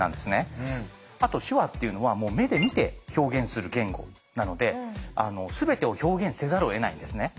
あと手話っていうのは目で見て表現する言語なので全てを表現せざるをえないんですね。